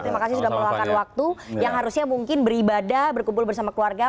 terima kasih sudah meluangkan waktu yang harusnya mungkin beribadah berkumpul bersama keluarga